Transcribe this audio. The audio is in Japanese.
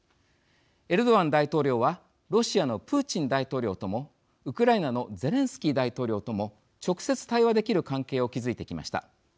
エルドアン大統領はロシアのプーチン大統領ともウクライナのゼレンスキー大統領とも直接対話できる関係を築いてきました。